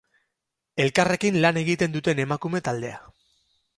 Elkarrekin lan egiten duten emakume taldea.